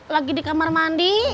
lagi di kamar mandi